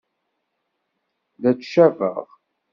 La ttcabeɣ!